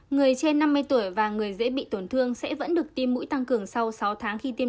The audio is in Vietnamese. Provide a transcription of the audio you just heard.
người trên năm mươi tuổi và người dễ bị tổn thương sẽ vẫn được tiêm mũi tăng cường sau sáu tháng khi tiêm